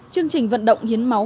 chương trình vận động hiến máu